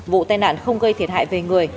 vụ tai nạn không gây thiệt hại về người